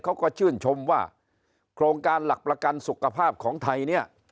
เขาก็ชื่นชมว่าโครงการหลักประกันสุขภาพของไทยเนี่ย